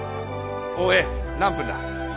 大江何分だ？